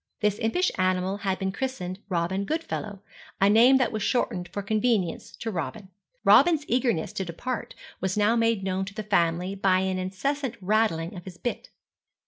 This impish animal had been christened Robin Goodfellow, a name that was shortened for convenience to Robin. Robin's eagerness to depart was now made known to the family by an incessant rattling of his bit.